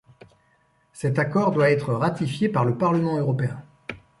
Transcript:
Cet accord doit être ratifié par le Parlement européen.